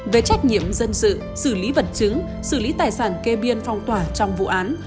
về trách nhiệm dân sự xử lý vật chứng xử lý tài sản kê biên phong tỏa trong vụ án